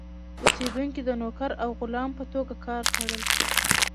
اوسېدونکي د نوکر او غلام په توګه کار کړل.